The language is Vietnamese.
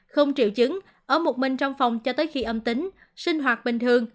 không triệu chứng ở một mình trong phòng cho tới khi âm tính sinh hoạt bình thường